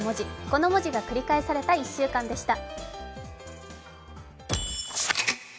この文字が繰り返された１週間でした。